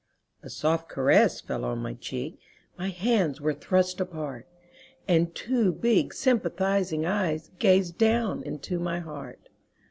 A soft caress fell on my cheek, My hands were thrust apart. And two big sympathizing eyes Gazed down into my heart.